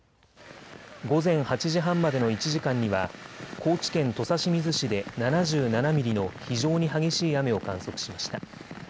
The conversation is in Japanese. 午前８時半までの１時間には高知県土佐清水市で７７ミリの非常に激しい雨を観測しました。